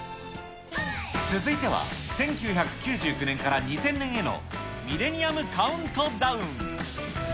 続いては１９９９年から２０００年へのミレニアムカウントダウン。